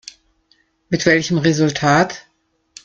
Mit welchem Resultat?